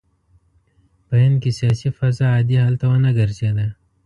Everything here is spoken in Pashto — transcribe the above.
په هند کې سیاسي فضا عادي حال ته ونه ګرځېده.